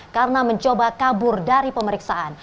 karena mencoba kabur dari pemeriksaan